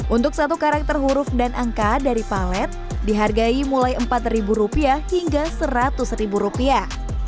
untuk satu karakter huruf dan angka dari palet dihargai mulai empat ribu rupiah hingga seratus ribu rupiah